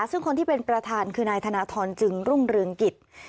ซึ่งคนที่เป็นประธานคือนายธนทรจึงรุ่งเรืองกิจ